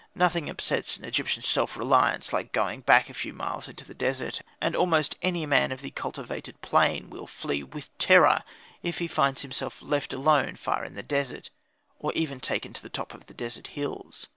Nothing upsets an Egyptian's self reliance like going back a few miles into the desert; and almost any man of the cultivated plain will flee with terror if he finds himself left alone far in the desert, or even taken to the top of the desert hills..